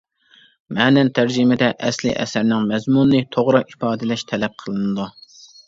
مەنەن تەرجىمىدە، ئەسلىي ئەسەرنىڭ مەزمۇنىنى توغرا ئىپادىلەش تەلەپ قىلىنىدۇ.